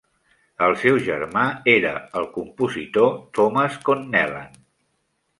El seu germà era el compositor Thomas Connellan.